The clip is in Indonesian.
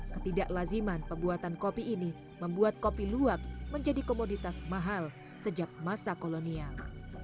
ketidaklaziman pembuatan kopi ini membuat kopi luwak menjadi komoditas mahal sejak masa kolonial